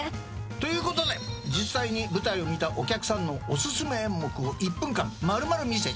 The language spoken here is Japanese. ということで実際に舞台を見たお客さんのお薦め演目を１分間丸々見せちゃう。